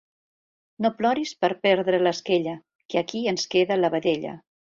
No ploris per perdre l'esquella, que aquí ens queda la vedella.